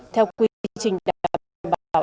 theo quy trình đảm bảo